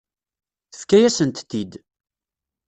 Tefka-yasent-t-id.